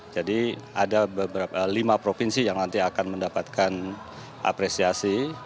jadi ada lima provinsi yang nanti akan mendapatkan apresiasi